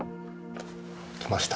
きました。